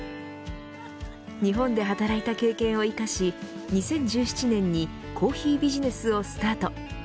日本で働いた経験を生かし２０１７年にコーヒービジネスをスタート。